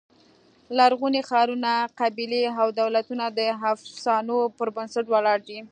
لرغوني ښارونه، قبیلې او دولتونه د افسانو پر بنسټ ولاړ دي.